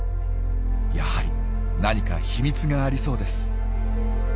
やはり何か秘密がありそうです。